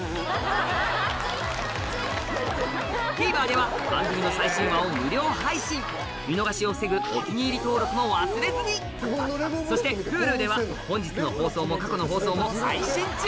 ＴＶｅｒでは番組の最新話を無料配信見逃しを防ぐ「お気に入り」登録も忘れずにそしてＨｕｌｕでは本日の放送も過去の放送も配信中！